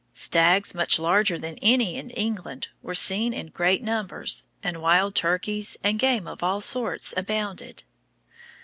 Stags much larger than any in England were seen in great numbers, and wild turkeys and game of all sorts abounded.